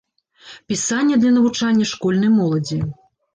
Пісання для навучання школьнай моладзі.